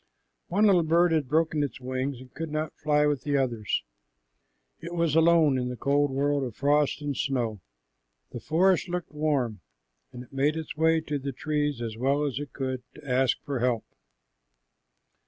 One little bird had broken its wing and could not fly with the others. It was alone in the cold world of frost and snow. The forest looked warm, and it made its way to the trees as well as it could, to ask for help.